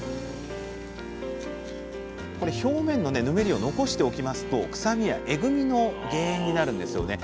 この表面のぬめりを残しておきますと臭みやえぐみの原因になるんですよね。